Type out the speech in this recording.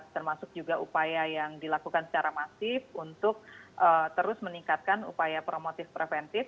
termasuk juga upaya yang dilakukan secara masif untuk terus meningkatkan upaya promotif preventif